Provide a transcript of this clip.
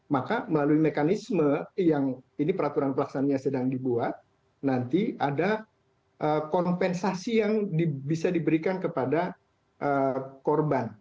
maka melalui mekanisme yang ini peraturan pelaksananya sedang dibuat nanti ada kompensasi yang bisa diberikan kepada korban